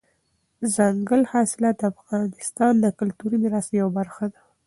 دځنګل حاصلات د افغانستان د کلتوري میراث یوه برخه ده.